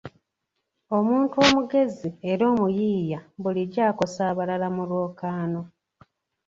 Omuntu omugezi era omuyiiya bulijjo akosa abalala mu lwokaano.